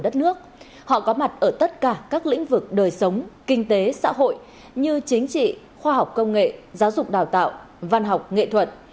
tất cả các lĩnh vực đời sống kinh tế xã hội như chính trị khoa học công nghệ giáo dục đào tạo văn học nghệ thuật